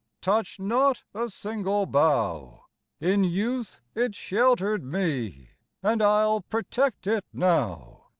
Touch not a single bough! In youth it sheltered me, And I'll protect it now.